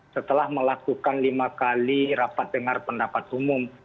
setelah melakukan lima kali rapat dengar pendapat umum